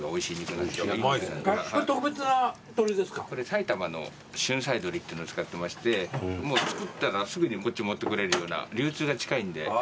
埼玉の旬彩鶏というのを使っていましてもう作ったらすぐにこっち持ってこれるような流通が近いんで。